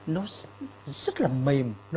nấu rất là mềm